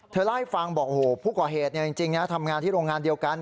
เล่าให้ฟังบอกโอ้โหผู้ก่อเหตุจริงทำงานที่โรงงานเดียวกัน